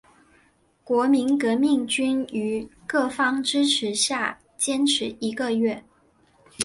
国民革命军于各方支持下坚持一个多月。